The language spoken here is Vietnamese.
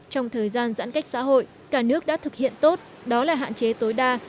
trong thời gian giãn cách xã hội cả nước đã thực hiện tốt đó là hạn chế tối đa